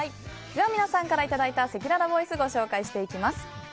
では、皆さんからいただいたせきららボイスご紹介します。